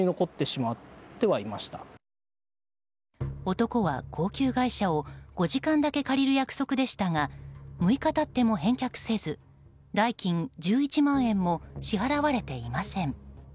男は高級外車を５時間だけ借りる約束でしたが６日経っても返却せず代金１１万円も支払われていません。